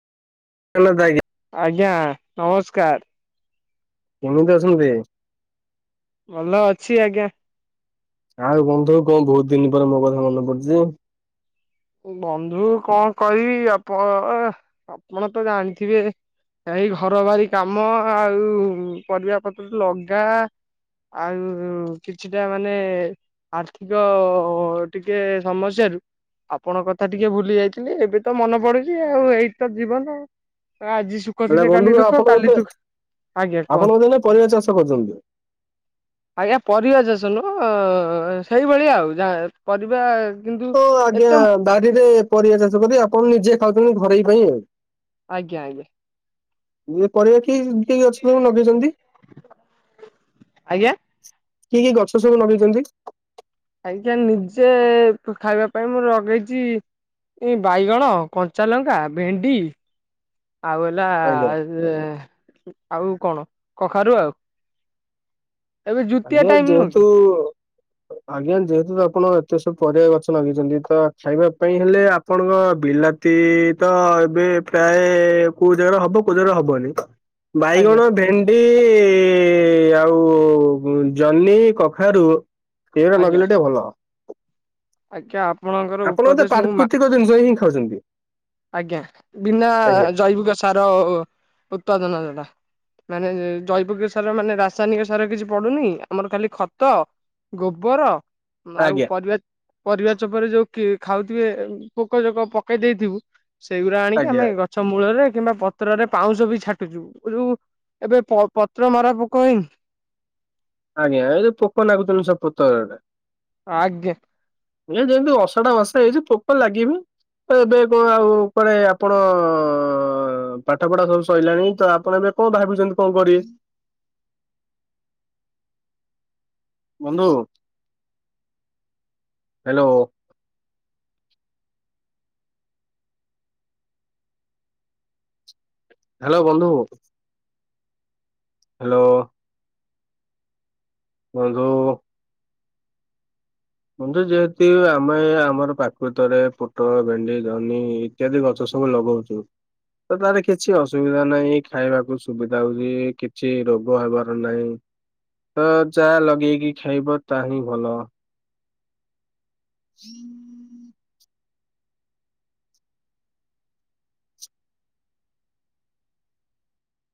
ହେଲାତ ଆଜ୍ଞା। ଆଜ୍ଞା ନମସ୍କାର। କେମିତି ଅଛନ୍ତି। ଭଲ ଅଛି ଆଜ୍ଞା। ଆଉ ବନ୍ଧୁ କନ୍ ବହୁତ ଦିନ ପରେ ମୋ କଥା ମନେ ପଡିଚି। ବନ୍ଧୁ କଣ କରିବି ଆପଣ ଅ ଆପଣ ତ ଜାଣିଥିବେ ଏଇ ଘର ବାରି କାମ ଆଉ ପରିବା ପତ୍ର ଲଗା ଆଉ କିଛିଟା ମାନେ ଆର୍ଥିକ ଟିକେ ସମସ୍ୟାରୁ ଆପଣକ କଥା ଟିକେ ଭୁଲି ଯାଇଥିଲି ଏବେ ତ ମନେ ପଡୁଛି ଆଉ ଏଇ ତ ଜୀବନ ଆଜି ଶୁ ହେଲେ ବନ୍ଧୁ ଆପଣ ବଧେ ଆଜ୍ଞା କୁହନ୍ତୁ। ଆପଣ ବଧେ ଏଇନା ପରିବା ଚାଷ କରୁଚନ୍ତି। ଆଜ୍ଞା ପରିବା ଚାଷ ନୁହଁ ଅ ସେଇଭଳି ଆଉ ଯା ପରିବା କିନ୍ତୁ ହଁ ଆଜ୍ଞା ଏତେ ବାରିରେ ପରିବା ଚାଷ କରି ଆପଣ ନିଜେ ଖାଉଛନ୍ତି ଘରେଇ ପାଇଁ ଆଉ। ଆଜ୍ଞା ଆଜ୍ଞା। ଇଏ ପରିବା କି କି ଗଛି ସବୁ ନଗେଇଛନ୍ତି। ଆଜ୍ଞା କି କି ଗଛ ସବୁ ନଗେଇଛନ୍ତି। ଆଜ୍ଞା ନିଜେ ତ ଖାଇବା ପାଇଁ ମୁଁ ଲଗେଇଛି ଏଇ ବାଇଗଣ କଞ୍ଚା ଲଙ୍କା ଭେଣ୍ଡି ଆଉ ହେଲା ଆଜ୍ଞା ଏ ଆଉ କଣ କଖାରୁ ଆଉ। ଏବେ ଆ ଜୁତିଆ ଯେ ଟାଇମ ନୁହଁ ଯେହେତୁ କି ଆଜ୍ଞା ଯେହେତୁ ତ ଆପଣ ଏତେ ସବୁ ପରିବା ଗଛ ନଗେଇଛନ୍ତି ତ ଖାଇବା ପାଇଁ ହେଲେ ଆ ଆପଣଙ୍କ ବିଲାତି ତ ଏବେ ପ୍ରାଏ କୋଉ ଜାଗାରେ ହବ କୋଉ ଜାଗାରେ ହବନି। ଆଜ୍ଞା ବାଇଗଣ ଭେଣ୍ଡି ଆଉ ଉ ଜହ୍ନି କଖାରୁ ଏଗଡା ଆଜ୍ଞା ନଗଇଲେ ଟିକେ ଭଲ। ଆଜ୍ଞା ଆପଣଙ୍କର ଆପଣ ବୋଧେ ଉପଦେଶ ମୁଁ ମା ପ୍ରାକୃତିକ ଜିନିଷ ହିଁ ଖାଉଛନ୍ତି। ଆଜ୍ଞା ବିନା ଆଜ୍ଞା ଜୈବିକ ସାର ଉତ୍ପାଦନ [unintelligible] ମାନେ ଜୈବକ ସାର ମାନେ ରାସାୟନିକ ସାର କିଛି ପଡୁନି, ଆମର ଖାଲି ଖତ ଗୋବର ଆଉ ଆଜ୍ଞା ପରିବା-ପରିବା ଚୋପାରେ ଯୋଉ ଖାଉଥିବେ ପୋକ ଜୋକ ପକେଇ ଦେଇଥିବୁ ସେଇଗୁଡା ଆଣିକି ଆଜ୍ଞା ଆମେ ଗଛ ମୂଳରେ କିମ୍ବା ପତ୍ରରେ ପାଉଁଶ ବି ଛାଟୁଚୁ, ଯୋଉ ଏବେ ପ ପତ୍ର ମରା ପୋକ ହେଇ ଆଜ୍ଞା [unintelligible] ପୋକ ନଗୁଚନି ସବୁ ପତର ରେ। ଆଜ୍ଞା। ଏ ଯେନ୍ତି ଅସାଢ ମାସ ହେଇଚି ପୋକ ଲାଗିବେ। ତ ଏବେ କଣ ଆଉ କୁଆଡେ ଆପଣ ହ ପାଠପଢା ସବୁ ସଇଲାଣି ତ ଆପଣ ଏବେ କଣ ଭାବିଛନ୍ତି କଣ କରିବେ? ବନ୍ଧୁ, ହାଲୋ। ହାଲୋ, ବନ୍ଧୁ। ହାଲୋ। କୁହନ୍ତୁ। ବନ୍ଧୁ ଯେହେତୁ ଆମେ ଆମର ପ୍ରାକୃତରେ ପୋଟଳ, ଭେଣ୍ଡି, ଜନ୍ହି ଇତ୍ୟାଦି ଗଛ ସବୁ ଲଗଉଚୁ। ତ ତାର କିଛି ଅସୁବିଧା ନାହିଁ, ଖାଇବାକୁ ସୁବିଧା ହଉଚି, କିଛି ରୋଗ ହେବାର ନାହିଁ। ଅ ଯା ଲଗେଇକି ଖାଇବ ତାହା ହିଁ ଭଲ।